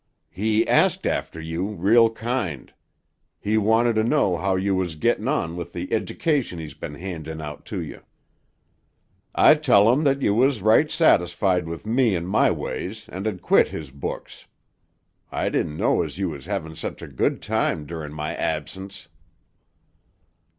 "He asked after you real kind. He wanted to know how you was gettin' on with the edication he's ben handin' out to you. I tell him that you was right satisfied with me an' my ways an' hed quit his books. I didn't know as you was hevin' such a good time durin' my absence."